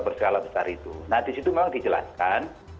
berskala besar itu nah di situ memang dijelaskan